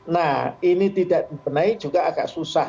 nah ini tidak dibenahi juga agak susah